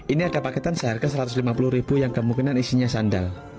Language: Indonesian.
ini ada paketan seharga rp satu ratus lima puluh yang kemungkinan isinya sandal